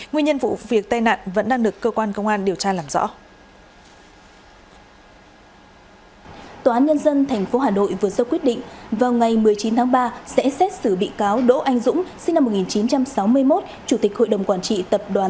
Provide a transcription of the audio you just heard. nguyên nhân vụ việc tai nạn vẫn đang được cơ quan công an điều tra làm rõ